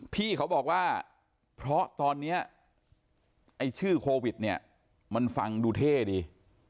พี่เขาบอกว่าเพราะตอนนี้ไอ้ชื่อโควิดเนี่ยมันฟังดูเท่ดี